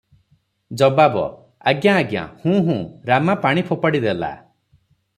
ଜବାବ - ଆଜ୍ଞା ଆଜ୍ଞା, ହୁଁ ହୁଁ, ରାମା ପାଣି ଫୋପାଡି ଦେଲା ।